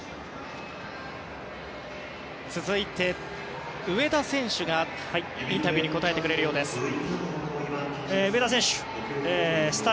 続いて、上田選手がインタビューに答えてくれるようです。